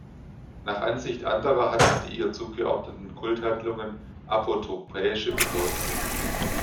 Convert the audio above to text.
Nach Ansicht anderer hatten die ihr zugeordneten Kulthandlungen apotropäische Bedeutung.